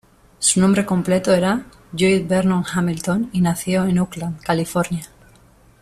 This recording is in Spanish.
Su nombre completo era Lloyd Vernon Hamilton, y nació en Oakland, California.